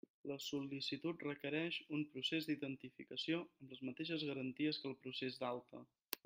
La sol·licitud requereix un procés d'identificació amb les mateixes garanties que el procés d'alta.